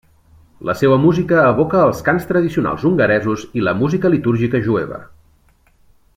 La seua música evoca els cants tradicionals hongaresos i la música litúrgica jueva.